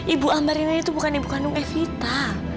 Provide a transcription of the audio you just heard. ibu ambar ini itu bukan ibu kandung evita